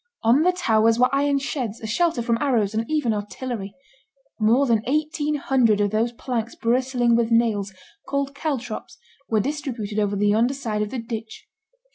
On the towers were iron sheds, a shelter from arrows, and even artillery. More than eighteen hundred of those planks bristling with nails, called caltrops, were distributed over the yonder side of the ditch.